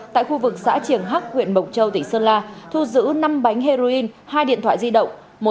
tại khu vực xã triển hác huyện mộc châu tỉnh sơn la thu giữ năm bánh heroin hai điện thoại di động